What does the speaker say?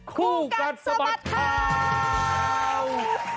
คู่กัดสมัติข่าว